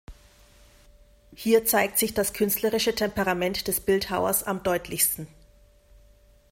Hier zeigt sich das künstlerische Temperament des Bildhauers am deutlichsten.